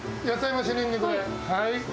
はい。